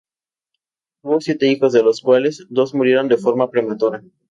Tuvo siete hijos, de los cuales dos murieron de forma prematura.